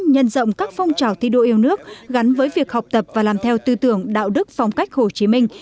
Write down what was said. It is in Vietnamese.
nhân rộng các phong trào thi đua yêu nước gắn với việc học tập và làm theo tư tưởng đạo đức phong cách hồ chí minh